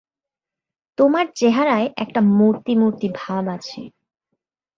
তোমার চেহারায় একটা মূর্তি-মূর্তি ভাব আছে।